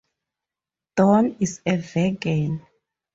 Dorn is a vegan.